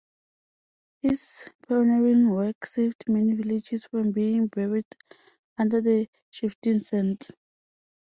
His pioneering work saved many villages from being buried under the shifting sands.